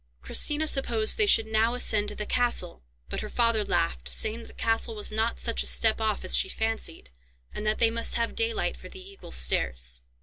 Christina supposed they should now ascend to the castle; but her father laughed, saying that the castle was not such a step off as she fancied, and that they must have daylight for the Eagle's Stairs.